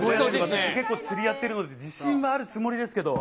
結構釣りやってるので、自信はあるつもりですけど。